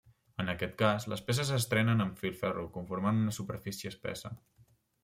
En aquest cas, les peces es trenen amb filferro conformant una superfície espessa.